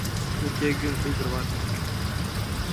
Уке гын, ӱдыр, вате